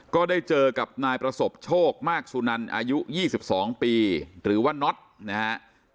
ก็ได้เจอกับนายประสบโชคมากสุนันอายุ๒๒ปีหรือว่าน็อตนะฮะ